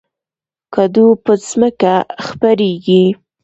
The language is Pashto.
کدو په ځمکه خپریږي